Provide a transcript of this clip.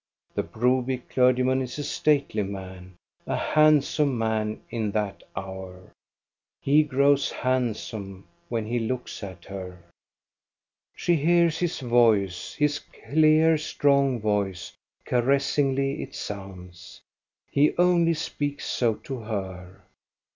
The Broby clergyman is a stately man. a handsome man in that hour. He grows handsome when he looks at her. She hears his voice, his clear, strong voice ; caress ingly it sounds. He only speaks so to her.